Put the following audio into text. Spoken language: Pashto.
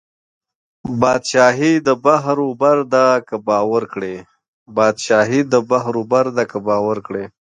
بادشاهي د بحر وبر ده که باور کړې